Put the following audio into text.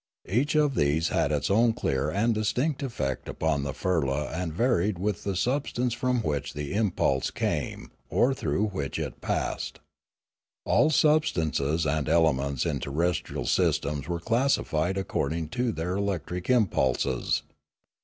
Each of these had its own clear and distinct effect upon the firla and varied with the substance from which the impulse came or through which it passed. All substances and elements in the terrestrial system were classified according to their electric impulses.